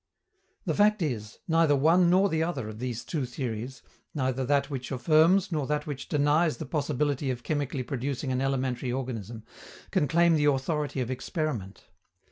The fact is, neither one nor the other of these two theories, neither that which affirms nor that which denies the possibility of chemically producing an elementary organism, can claim the authority of experiment.